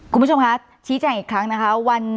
คุณผู้ชมคะชี้แจงอีกครั้งนะคะ